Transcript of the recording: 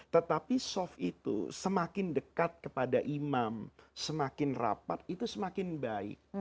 tetapi soft itu semakin dekat kepada imam semakin rapat itu semakin baik